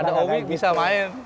ada owik bisa main